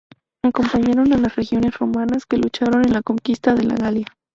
Acompañaron a las legiones romanas que lucharon en la conquista de la Galia.